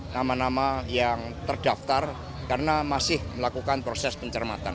nama nama yang terdaftar karena masih melakukan proses pencermatan